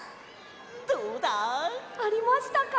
どうだ？ありましたか？